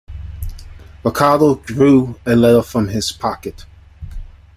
Ricardo drew a letter from his pocket.